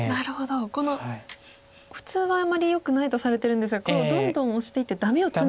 この普通はあんまりよくないとされてるんですがこれをどんどんオシていってダメをツメて。